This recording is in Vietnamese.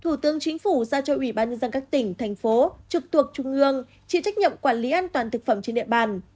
thủ tướng chính phủ giao cho ủy ban nhân dân các tỉnh thành phố trực thuộc trung ương chịu trách nhiệm quản lý an toàn thực phẩm trên địa bàn